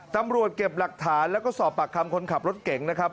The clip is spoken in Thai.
ตำรวจเก็บหลักฐานแล้วก็สอบปากคำคนขับรถเก่งนะครับ